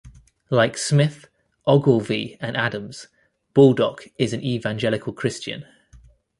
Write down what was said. Like Smith, Ogilvy and Adams, Baldock is an evangelical Christian.